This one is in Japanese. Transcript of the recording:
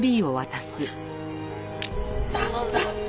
頼んだ！